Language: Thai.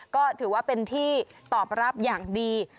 ก็ถือว่าเป็นที่ตอบรับอย่างดี